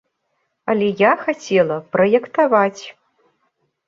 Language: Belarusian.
Але я хацела праектаваць.